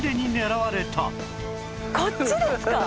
こっちですか！？